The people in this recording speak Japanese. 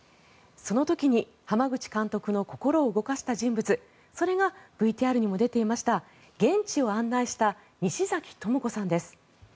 その時に濱口監督の心を動かした人物それがＶＴＲにも出ていました現地を案内した西崎智子さんです。